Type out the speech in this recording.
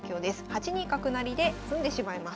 ８二角成で詰んでしまいます。